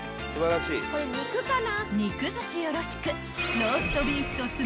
［肉ずしよろしく］